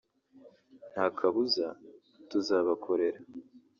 nta kabuza tuzabakorera”